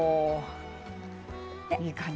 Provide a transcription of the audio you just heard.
いい感じ。